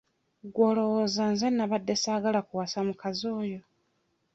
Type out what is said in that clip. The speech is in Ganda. Gwe olowooza nze nnabadde ssaagala kuwasa mukazi oyo?